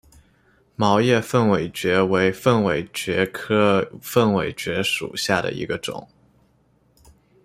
毛叶凤尾蕨为凤尾蕨科凤尾蕨属下的一个种。